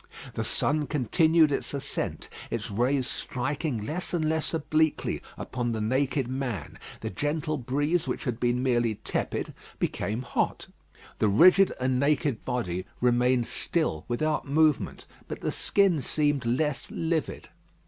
The sun continued its ascent; its rays striking less and less obliquely upon the naked man. The gentle breeze which had been merely tepid became hot. The rigid and naked body remained still without movement; but the skin seemed less livid.